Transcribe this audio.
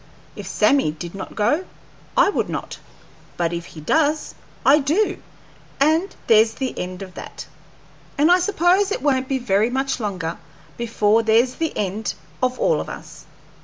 If Sammy did not go, I would not, but if he does, I do, and there's the end of that; and I suppose it won't be very much longer before there's the end of all of us.